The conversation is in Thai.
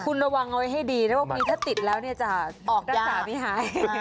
คุณระวังเอาไว้ให้ดีโลกนี้ถ้าติดแล้วเนี่ยจะรักษาไม่หาย